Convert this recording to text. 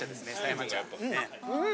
うん！